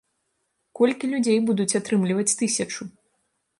Колькі людзей будуць атрымліваць тысячу?